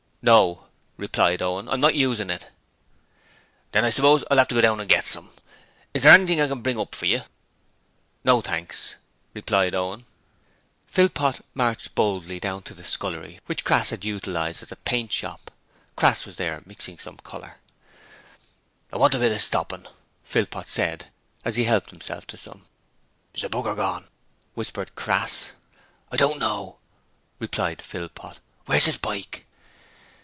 'No,' replied Owen. 'I'm not using it.' 'Then I suppose I'll have to go down and get some. Is there anything I can bring up for you?' 'No, thanks,' replied Owen. Philpot marched boldly down to the scullery, which Crass had utilized as a paint shop. Crass was there mixing some colour. 'I want a bit of stopping,' Philpot said as he helped himself to some. 'Is the b r gorn?' whispered Crass. 'I don't know,' replied Philpot. 'Where's his bike?'